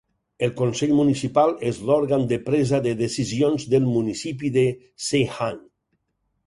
El Consell Municipal és l'òrgan de presa de decisions del municipi de Seyhan.